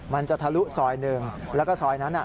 มันจะทะลุสอยหนึ่งแล้วก็สอยนั้น